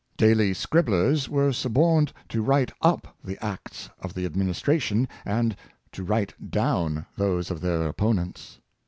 Daily scribblers were suborned to write up the acts of the administration, and to write down those of their opponents.